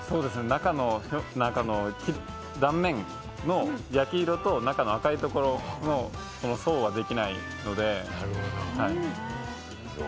中の断面、中の赤いところの層はできないので。